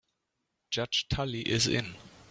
Judge Tully is in.